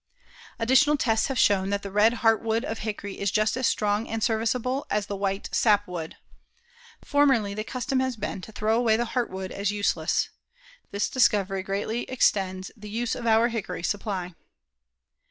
Additional tests have shown that the red heartwood of hickory is just as strong and serviceable as the white sap wood. Formerly, the custom has been to throw away the heartwood as useless. This discovery greatly extends the use of our hickory supply.